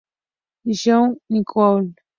São Nicolau